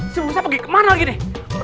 si usah pergi kemana lagi nih